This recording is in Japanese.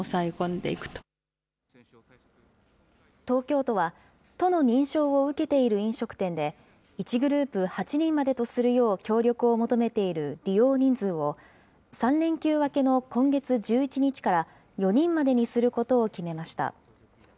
東京都は、都の認証を受けている飲食店で、１グループ８人までとするよう協力を求めている利用人数を、３連休明けの今月１１日から４人までにすることを決めました。